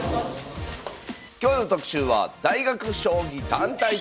今日の特集は「大学将棋団体戦」。